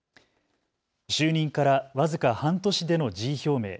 就任から僅か半年での辞意表明。